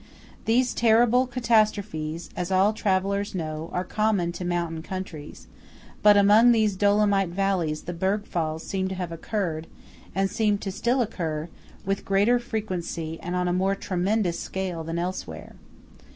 These terrible catastrophes, as all travellers know, are common to mountain countries; but among these Dolomite valleys the bergfalls seem to have occurred, and seem still to occur, with greater frequency and on a more tremendous scale than elsewhere.